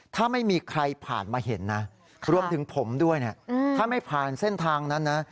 ถ้าไม่มีใครผ่านมาเห็นนะรวมถึงผมด้วยเนี่ยถ้าไม่ผ่านเส้นทางนั้นนะ